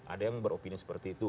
ada yang beropini seperti itu